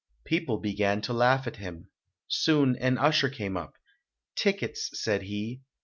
People began to laugh at him. Soon an usher came up. "Tickets", said he.